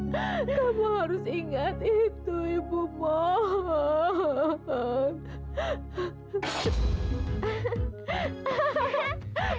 kamu harus ingat itu ibu pohon